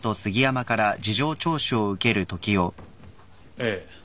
ええ。